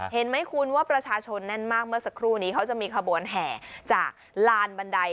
เห็นไหมคุณว่าประชาชนแน่นมากเมื่อสักครู่นี้เขาจะมีขบวนแห่จากลานบันได